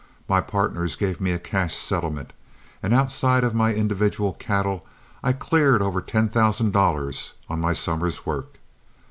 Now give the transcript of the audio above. My partners gave me a cash settlement, and outside of my individual cattle, I cleared over ten thousand dollars on my summer's work.